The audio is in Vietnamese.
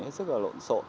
hết sức là lộn xộn